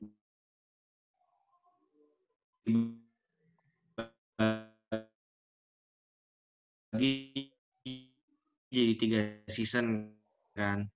apalagi jadi tiga season kan